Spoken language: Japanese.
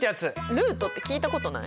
ルートって聞いたことない？